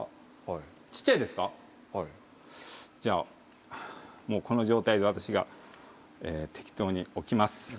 じゃあこの状態で私が適当に置きます。